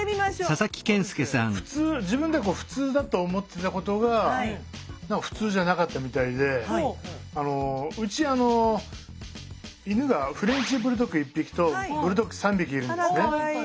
普通自分では普通だと思ってたことが普通じゃなかったみたいでうち犬がフレンチブルドッグ１匹とブルドッグ３匹いるんですね。